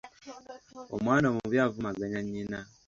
Omwana omubi avumaganya nnyina.